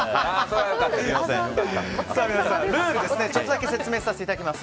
ルールをちょっとだけ説明させていただきます。